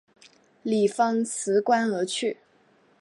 李芳辞官离去。